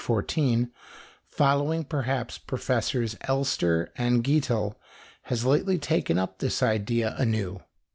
14), following perhaps Professors Elster and Geitel, has lately taken up this idea anew.